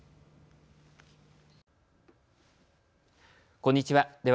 こんにちは。